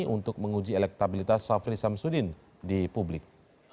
untuk menguji elektabilitas safri samsudin di publik